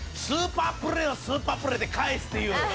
「スーパープレーをスーパープレーで返すっていう」